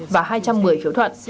và hai trăm một mươi phiếu thuận